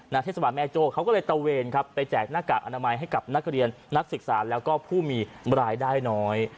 เทศบาลแม่โจ้เขาก็เลยตะเวนครับไปแจกหน้ากากอนามัยให้กับนักเรียนนักศึกษาแล้วก็ผู้มีรายได้น้อย